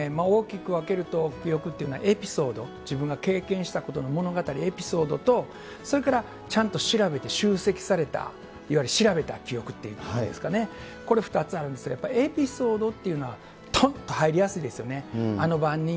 大きく分けると、記憶というのはエピソード、自分が経験したことの物語、エピソードと、それからちゃんと調べて集積された、いわゆる調べた記憶っていうんですかね、これ２つあるんですが、やっぱりエピソードというのは、とんと入りやすいですよね。